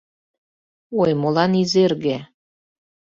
— Ой, молан Изерге